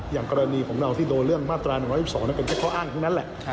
อย่างกรณีของเราที่โดนเรื่องมาตรา๑๑๒นั้นเป็นแค่ข้ออ้างทั้งนั้นแหละ